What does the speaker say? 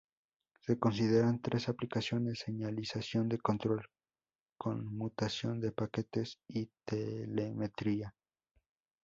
Se consideran tres aplicaciones: señalización de control, conmutación de paquetes, y telemetría.